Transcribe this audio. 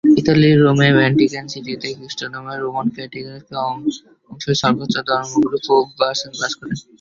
ইতালির রোমের ভ্যাটিকান সিটিতে খ্রিস্টধর্মের রোমান ক্যাথলিক অংশের সর্বোচ্চ ধর্মগুরু পোপ বাস করেন।